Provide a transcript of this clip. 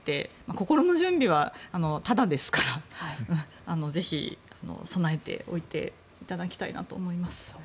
心の準備はタダですからぜひ備えておいていただきたいなと思います。